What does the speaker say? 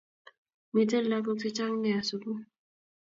Miten lakok che chang nea sukul